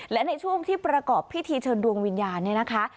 และในช่วงที่ประกอบพิธีเชิญดวงวิญญาณเนี่ยนะคะ